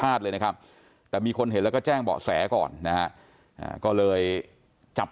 เลยนะครับแต่มีคนเห็นแล้วก็แจ้งเบาะแสก่อนนะฮะก็เลยจับ